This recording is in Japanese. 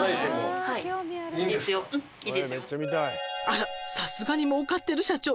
「あらさすがにもうかってる社長」